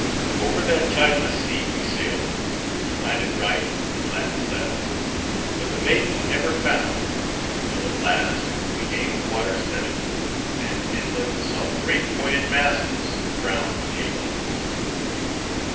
Over that tideless sea we sailed; and landed right, and landed left; but the maiden never found; till, at last, we gained the water's limit; and inland saw great pointed masses, crowned with halos.